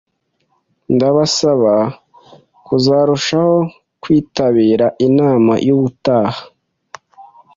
Ndabasaba kuzarushaho kwitabirainama y’ ubutaha